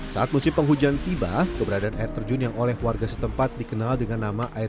saat musim penghujan tiba keberadaan air terjun yang oleh warga setempat dikenal dengan nama air